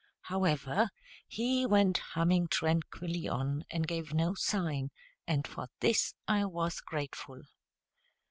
However, he went humming tranquilly on, and gave no sign; and for this I was grateful.